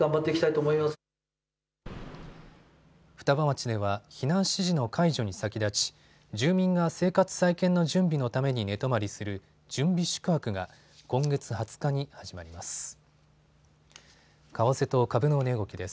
双葉町では避難指示の解除に先立ち、住民が生活再建の準備のために寝泊まりする準備宿泊が今月２０日に始まります。